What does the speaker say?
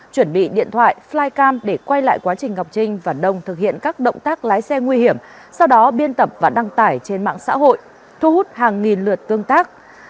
chuẩn bị điện thoại flycam để quay lại quá trình ngọc trinh và đông thực hiện các động tác lái xe nguy hiểm sau đó biên tập và đăng tải trên mạng xã hội thu hút hàng nghìn lượt tương tác